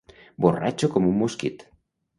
Borratxo com un mosquit.